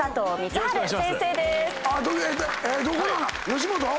吉本？